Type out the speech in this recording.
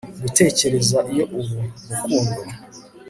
kugutekereza iyo uru rukundo